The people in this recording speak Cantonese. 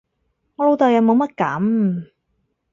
我老豆又冇乜噉